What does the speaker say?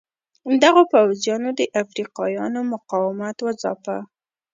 دغو پوځیانو د افریقایانو مقاومت وځاپه.